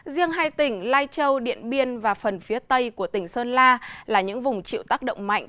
riêng hai tỉnh lai châu điện biên và phần phía tây của tỉnh sơn la là những vùng chịu tác động mạnh